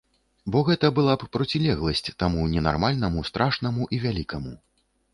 Бо гэта была б процілегласць таму ненармальнаму, страшнаму і вялікаму.